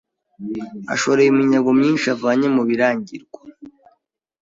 ashoreye iminyago myinshi avanye mu Birangirwa